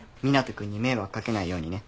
湊斗君に迷惑かけないようにね。